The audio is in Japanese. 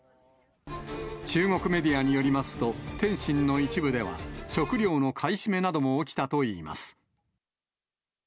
中国メディアによりますと、天津の一部では、食料の買い占めなども起きたといいます。